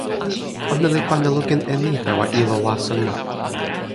ona li pana lukin e ni tawa ilo waso mi.